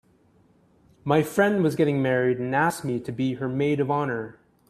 My friend was getting married and asked me to be her maid of honor.